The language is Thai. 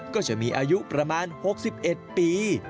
ก็จะมีอายุประมาณ๖๑ปี